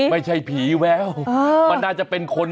ไม่ใช่ผีแววมันน่าจะเป็นคน